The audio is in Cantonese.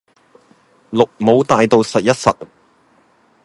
綠帽戴到實一實